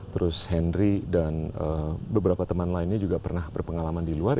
terus henry dan beberapa teman lainnya juga pernah berpengalaman di luar